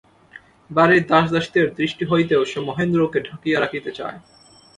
বাড়ির দাসদাসীদের দৃষ্টি হইতেও সে মহেন্দ্রকে ঢাকিয়া রাখিতে চায়।